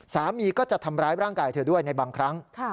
สามีก็จะทำร้ายร่างกายเธอด้วยในบางครั้ง